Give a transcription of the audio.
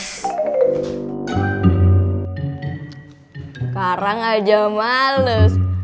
sekarang aja males